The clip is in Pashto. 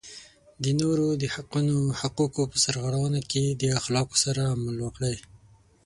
د نورو د حقونو او حقوقو په سرغړونه کې د اخلاقو سره عمل وکړئ.